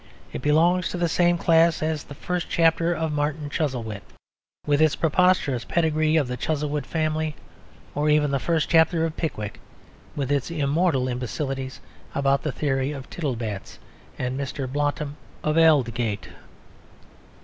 It belongs to the same class as the first chapter of Martin Chuzzlewit, with its preposterous pedigree of the Chuzzlewit family, or even the first chapter of Pickwick, with its immortal imbecilities about the Theory of Tittlebats and Mr. Blotton of Aldgate.